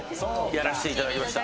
やらせていただきました。